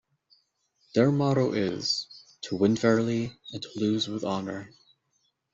Their motto is "To win fairly and to lose with honour".